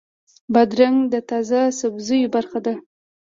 بادرنګ د تازه سبزیو برخه ده.